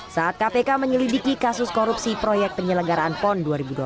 saat kpk menyelidiki kasus korupsi proyek penyelenggaraan pon dua ribu dua puluh